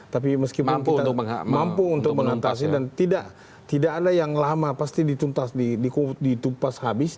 tapi meskipun kita mampu untuk mengatasi dan tidak ada yang lama pasti dituntas ditupas habis